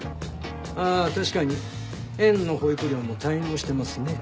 あ確かに園の保育料も滞納してますね。